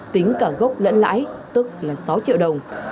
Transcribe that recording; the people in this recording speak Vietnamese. tính cả gốc lẫn lãi tức là sáu triệu đồng